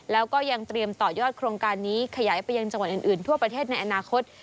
แล้วก็ยังเตรียมต่อยอดโครงการนี้ขยายไปยังจังหวัดอื่นทั่วประเทศในอนาคต